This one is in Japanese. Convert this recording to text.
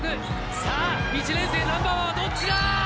１年生ナンバーワンはどっちだ！？